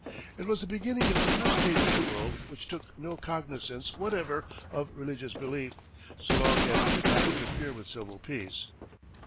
It was the beginning of the first state in the world which took no cognizance whatever of religious belief, so long as it did not interfere with civil peace.